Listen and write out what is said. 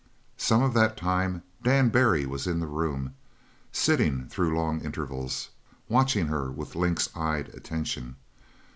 Some of that time Dan Barry was in the room, sitting through long intervals, watching her with lynx eyed attention.